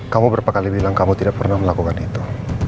kamu berapa kali bilang kamu tidak pernah melakukan itu